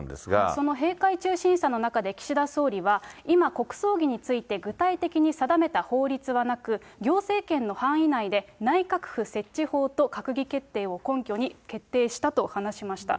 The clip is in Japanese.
その閉会中審査の中で、岸田総理は、今、国葬儀について具体的に定めた法律はなく、行政権の範囲内で内閣府設置法と閣議決定を根拠に決定したと話しました。